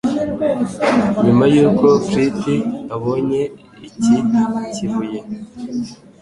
Nyuma y'uko Fleet abonye iki kibuye